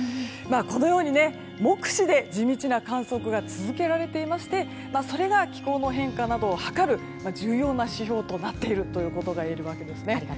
このように目視で地道な作業が続けられていまして気候の変化などを測る重要な指標となっているといえるわけですね。